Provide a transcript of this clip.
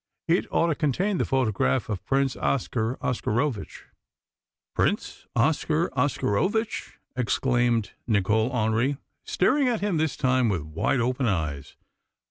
It ought to contain the photograph of Prince Oscar Oscarovitch." "Prince Oscar Oscarovitch!" exclaimed Nicol Hendry, staring at him this time with wide open eyes.